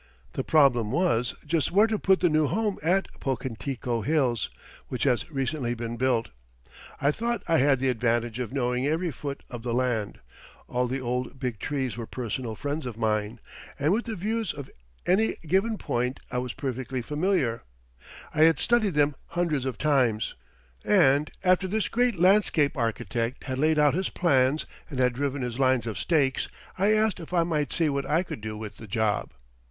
The problem was, just where to put the new home at Pocantico Hills, which has recently been built. I thought I had the advantage of knowing every foot of the land, all the old big trees were personal friends of mine, and with the views of any given point I was perfectly familiar I had studied them hundreds of times; and after this great landscape architect had laid out his plans and had driven his lines of stakes, I asked if I might see what I could do with the job.